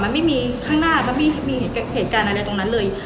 มันไม่มีข้างหน้ามันไม่มีเหตุการณ์อะไรตรงนั้นเลย